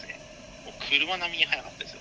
もう車並みに速かったです。